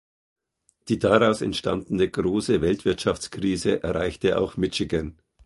Die daraus entstandene große Weltwirtschaftskrise erreichte auch Michigan.